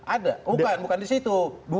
ada bukan di situ